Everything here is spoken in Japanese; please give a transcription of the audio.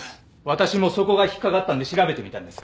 私もそこが引っかかったんで調べてみたんです。